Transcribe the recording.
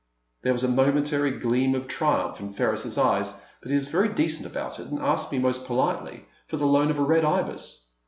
There was a momentary gleam of triumph in Ferris' s eyes, but he was very decent about it and asked me most politely for the loan of a Red Ibis.